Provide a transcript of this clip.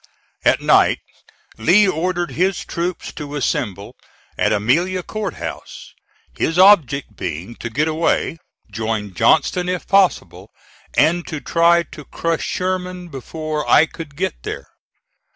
At night Lee ordered his troops to assemble at Amelia Court House, his object being to get away, join Johnston if possible, and to try to crush Sherman before I could get there.